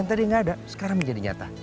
nggak ada sekarang menjadi nyata